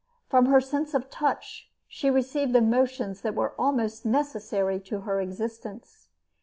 From her sense of touch she received emotions that were almost necessary to her existence.